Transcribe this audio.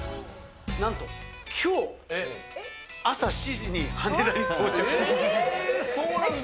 なんときょう、朝７時に羽田そうなんだ。